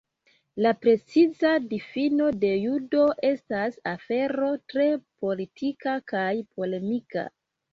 La preciza difino de "Judo" estas afero tre politika kaj polemika.